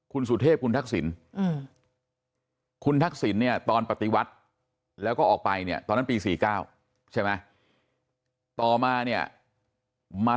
คุณสุเทพคุณทักษิณคุณทักษิณเนี่ยตอนปฏิวัติแล้วก็ออกไปเนี่ยตอนนั้นปี๔๙ใช่ไหมต่อมาเนี่ยมา